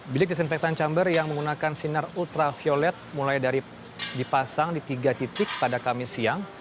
bilik disinfektan chamber yang menggunakan sinar ultraviolet mulai dari dipasang di tiga titik pada kamis siang